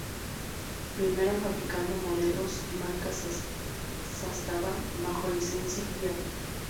Primero fabricando modelos marca Zastava bajo licencia Fiat.